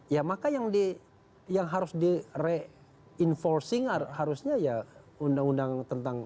ya maka yang harus direnforcing harusnya ya undang undang tentang